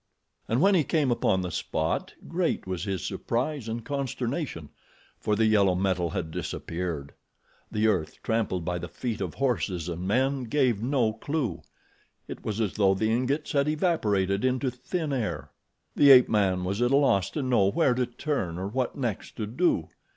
And when he came upon the spot, great was his surprise and consternation, for the yellow metal had disappeared. The earth, trampled by the feet of horses and men, gave no clew. It was as though the ingots had evaporated into thin air. The ape man was at a loss to know where to turn or what next to do.